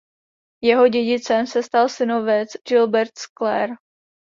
Jeho dědicem se stal synovec Gilbert z Clare.